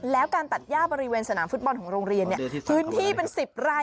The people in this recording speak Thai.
แล้วการตัดย่าบริเวณสนามฟุตบอลของโรงเรียนพื้นที่เป็น๑๐ราย